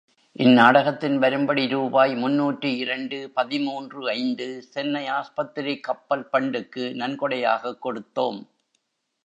இந்நாடகத்தின் வரும்படி ரூபாய் முன்னூற்று இரண்டு பதிமூன்று ஐந்து, சென்னை ஆஸ்பத்திரி கப்பல் பண்டுக்கு நன்கொடையாகக் கொடுத்தோம்.